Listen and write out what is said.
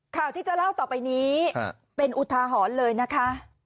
ข่าวที่จะเล่าต่อไปนี้เป็นอุทาหรณ์เลยนะคะ